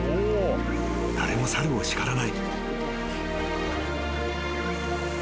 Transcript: ［誰も猿を叱らない］